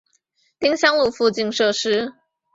丁香路附近设施